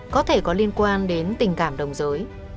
có thể có liên quan đến tình cảm đồng giới